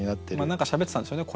何かしゃべってたんでしょうね